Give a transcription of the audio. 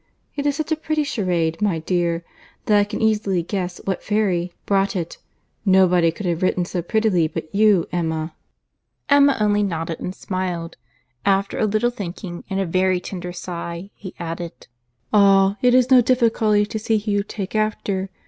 It is such a pretty charade, my dear, that I can easily guess what fairy brought it.—Nobody could have written so prettily, but you, Emma." Emma only nodded, and smiled.—After a little thinking, and a very tender sigh, he added, "Ah! it is no difficulty to see who you take after!